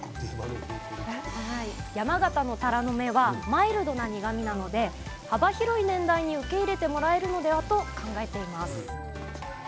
山形のタラの芽はマイルドな苦みなので幅広い年代に受け入れてもらえるのではと考えています。